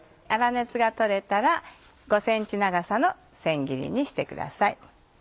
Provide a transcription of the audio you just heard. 粗熱がとれたら５ｃｍ長さの千切りにしてください。